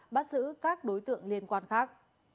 bắt giữ các đối tượng liên quan khác